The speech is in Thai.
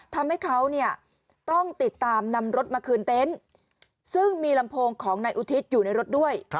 ทำให้เขาเนี่ยต้องติดตามนำรถมาคืนเต็นต์ซึ่งมีลำโพงของนายอุทิศอยู่ในรถด้วย